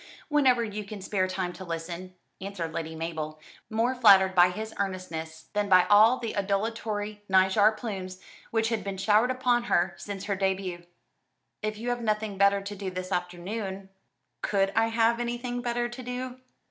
"Whenever you can spare time to listen," answered Lady Mabel, more flattered by his earnestness than by all the adulatory nigar plums which had been showered upon her since her début. "If you have nothing better to do this afternoon " "Could I have anything better to do?"